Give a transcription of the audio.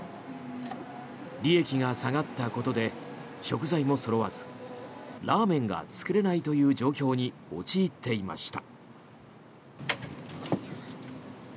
利益が下がったことで食材もそろわずラーメンが作れないという状況に陥っていました。